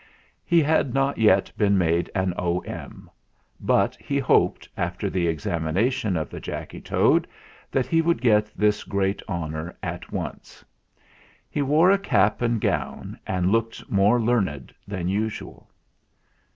He had not yet been made an O.M. ; but he hoped, after the examination of the Jacky Toad, that he would get this great honour at once. He wore a cap and gown, and looked more learned than usual.